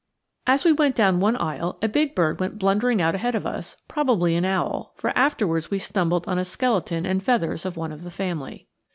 As we went down one aisle, a big bird went blundering out ahead of us, probably an owl, for afterwards we stumbled on a skeleton and feathers of one of the family.